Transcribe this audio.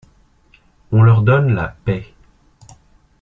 On leur donne la paix.